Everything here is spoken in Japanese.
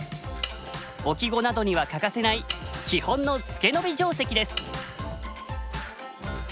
置き碁などには欠かせない基本のツケノビ定石です。